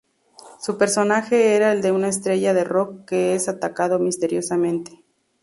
Su personaje era el de una estrella de rock que es atacado misteriosamente.